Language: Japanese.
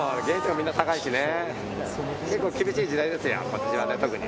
結構、厳しい時代ですよ今年は特に。